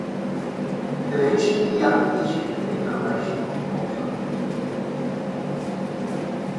Eventually Young issued a declaration of martial law.